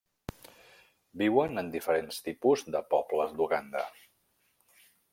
Viuen en diferents tipus de pobles d'Uganda.